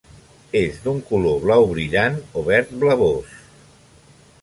És d'un color blau brillant o verd blavós.